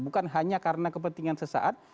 bukan hanya karena kepentingan sesaat